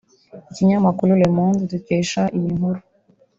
Ikinyamakuru Le Monde dukesha iyi nkuru